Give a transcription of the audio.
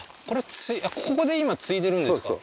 これここで今接いでるんですか？